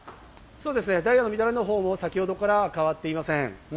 ダイヤの乱れのほうも先ほどから変わっていません。